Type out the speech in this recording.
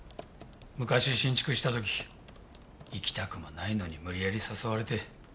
昔新築した時行きたくもないのに無理やり誘われて。